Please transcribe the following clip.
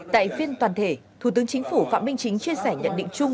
tại phiên toàn thể thủ tướng chính phủ phạm minh chính chia sẻ nhận định chung